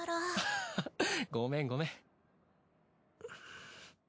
アハハごめんごめん。